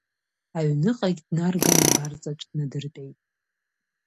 Аҩныҟагь днарган абарҵаҿ днадыртәеит.